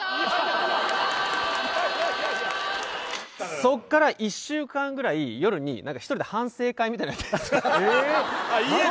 そこから１週間ぐらい夜に１人で反省会みたいのやってんですよ家で？